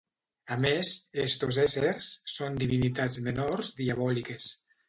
A més, estos éssers són divinitats menors diabòliques.